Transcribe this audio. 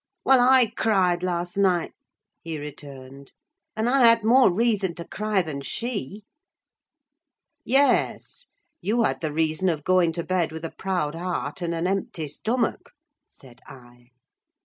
"Well, I cried last night," he returned, "and I had more reason to cry than she." "Yes: you had the reason of going to bed with a proud heart and an empty stomach," said I.